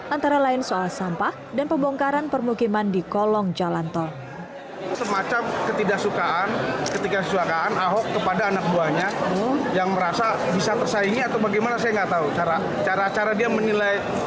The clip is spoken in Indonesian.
antara lain soal sampah dan pembongkaran permukiman di kolong jalan tol